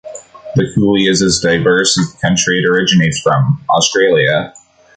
The Koolie is as diverse as the country it originates from, Australia.